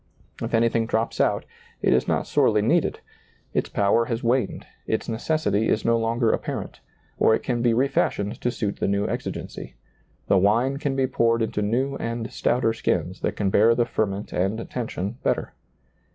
If anything drops out, it is not sorely ^lailizccbvGoOgle THE COMING TEMPLE i8i needed ; its power has waned, its necessity is no longer apparent, or it can be re fashioned to suit the new exigency ; the wine can be poured into new and stouter skins that can bear the fer ment and tension better.